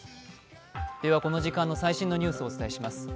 この時間の最新のニュースをお伝えします。